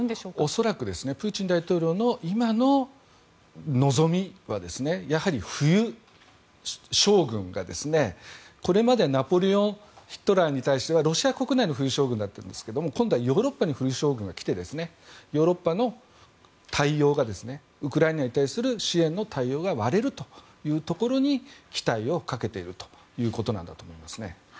恐らくプーチン大統領の今の望みは冬将軍が、これまでナポレオン、ヒトラーに対してはロシア国内の冬将軍だったんですけど今度はヨーロッパに冬将軍が来てヨーロッパの対応がウクライナに対する支援の対応が割れることに期待をかけているということなんだと思いますね。